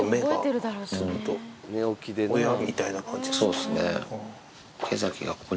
そうですね。